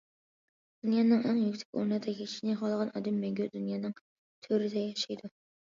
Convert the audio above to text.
دۇنيانىڭ ئەڭ يۈكسەك ئورنىدا ياشاشنى خالىغان ئادەم مەڭگۈ دۇنيانىڭ تۆرىدە ياشايدۇ.